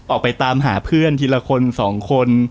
ออกไปตามหาเพื่อนทีละคน๒คน